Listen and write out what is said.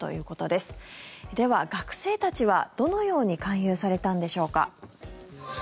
では、学生たちはどのように勧誘されたんでしょうか。